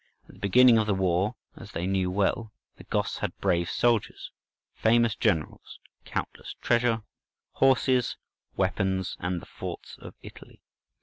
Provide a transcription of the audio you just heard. At the beginning of the war, as they knew well, the Goths had brave soldiers, famous generals, countless treasure, horses, weapons, and all the forts of Italy.